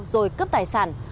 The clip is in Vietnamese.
rồi cướp tài sản